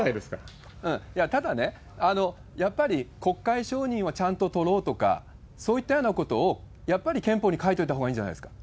いや、ただね、やっぱり国会承認はちゃんと取ろうとか、そういったようなことをやっぱり憲法に書いといたほうがいいんじゃないですか？